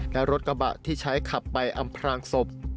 และรถกระบะที่ใช้ขับไปอำพลางศพ